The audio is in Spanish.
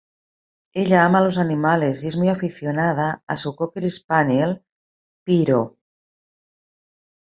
Ella ama a los animales y es muy aficionada a su cocker spaniel, "Pyro".